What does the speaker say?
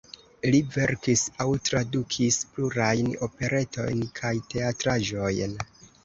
Li verkis aŭ tradukis plurajn operetojn kaj teatraĵojn.